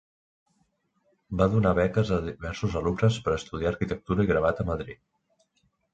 Va donar beques a diversos alumnes per estudiar arquitectura i gravat a Madrid.